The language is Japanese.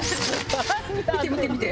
見て見て見て！